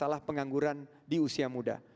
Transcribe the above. masalah pengangguran di usia muda